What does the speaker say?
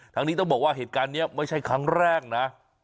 นี้ต้องบอกว่าเหตุการณ์นี้ไม่ใช่ครั้งแรกนะ